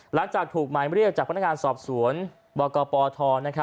หลังจากถูกหมายเรียกจากพนักงานสอบสวนบกปท